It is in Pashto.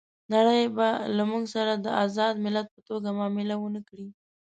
نړۍ به له موږ سره د آزاد ملت په توګه معامله ونه کړي.